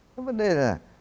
cái vấn đề là